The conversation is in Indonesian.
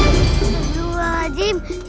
tidak usah banyak ngomong